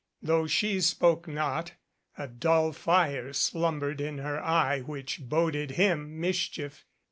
Though she spoke not, a dull fire slumbered in her eye which boded him mischief.